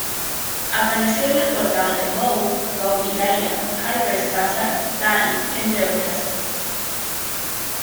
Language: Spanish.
Apareció en las portadas de "Vogue", "Vogue Italia", "Harper's Bazaar", "Time", entre otras.